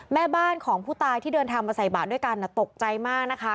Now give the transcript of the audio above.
แม่บ้านของผู้ตายที่เดินทางมาใส่บาทด้วยกันตกใจมากนะคะ